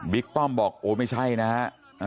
บิ๊กป้อมบอกโอ้ไม่ใช่นะฮะเออ